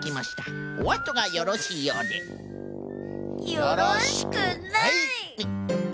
よろしくない！